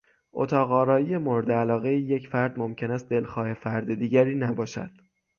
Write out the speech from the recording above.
اتاق آرایی مورد علاقهی یک فرد ممکن است دلخواه فرد دیگری نباشد.